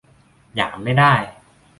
หยามไม่ได้